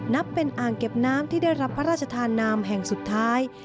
นับเป็นอ่างเก็บน้ำที่ได้รับพระราชทานนามแห่งสุดท้าย